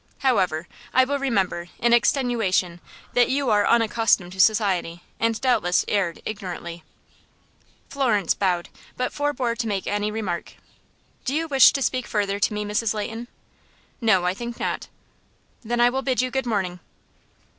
However, I will remember, in extenuation, that you are unaccustomed to society, and doubtless erred ignorantly." Florence bowed, but forbore to make any remark. "Do you wish to speak further to me, Mrs. Leighton?" "No, I think not." "Then I will bid you good morning."